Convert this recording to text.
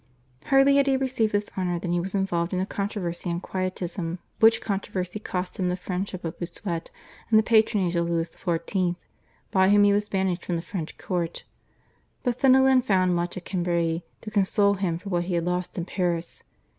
Hardly had he received this honour than he was involved in a controversy on Quietism, which controversy cost him the friendship of Bossuet and the patronage of Louis XIV., by whom he was banished from the French court. But Fenelon found much at Cambrai to console him for what he had lost in Paris.